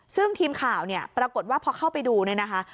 ซึ่งทีมข่าวเนี่ยปรากฏว่าพอเข้าไปดูเนี่ยนะคะ